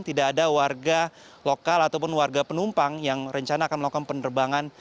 tidak ada warga lokal ataupun warga penumpang yang rencana akan melakukan penerbangan